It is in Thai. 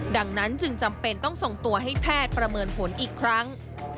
ดังนั้นจึงจำเป็นต้องส่งตัวให้แพทย์ประเมินผลอีกครั้ง